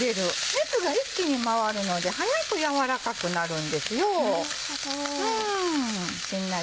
熱が一気に回るので早く軟らかくなるんですよ。